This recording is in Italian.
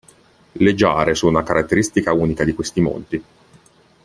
Le giare sono una caratteristica unica di questi monti.